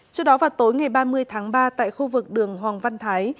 trước đó vào tối ngày ba mươi tháng ba tại khu vực đường hoàng văn thái